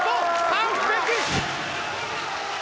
完璧！